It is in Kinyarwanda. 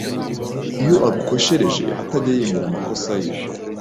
iyo agukoshereje atajya yemera amakosa ye